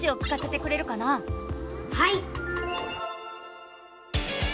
はい！